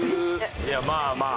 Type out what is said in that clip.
いやまあまあ。